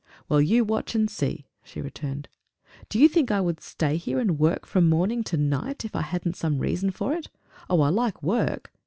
"Well, you watch and see!" she returned. "Do you think I would stay here and work from morning to night if I hadn't some reason for it? Oh, I like work!"